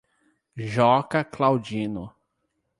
Joca Claudino